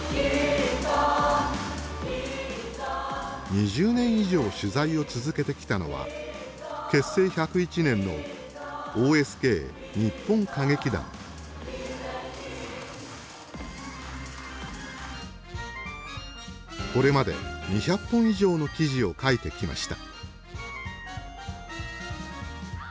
２０年以上取材を続けてきたのは結成１０１年のこれまで２００本以上の記事を書いてきました。